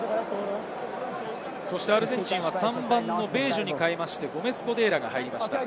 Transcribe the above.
アルゼンチンは３番のベージョに代わってゴメス＝コデーラが入りました。